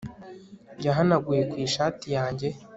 yahanaguye ku ishati yanjye